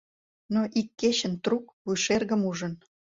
Но ик кечын, трук, вуйшергым ужын